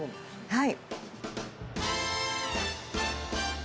はい。